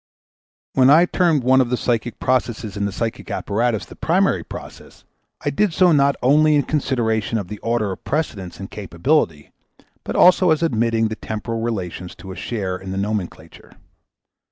When I termed one of the psychic processes in the psychic apparatus the primary process, I did so not only in consideration of the order of precedence and capability, but also as admitting the temporal relations to a share in the nomenclature.